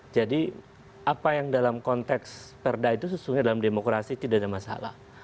jadi apa yang dalam konteks perda itu sesungguhnya dalam demokrasi tidak ada masalah